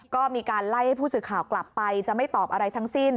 ก็มีการไล่ให้ผู้สื่อข่าวกลับไปจะไม่ตอบอะไรทั้งสิ้น